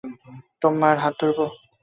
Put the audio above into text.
তোমার হাত ধরবো?